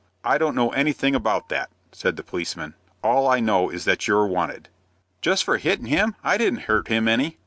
"I don't know anything about that," said the policeman. "All I know is that you're wanted." "Just for hittin' him? I didn't hurt him any."